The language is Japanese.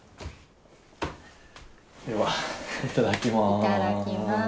ではいただきます。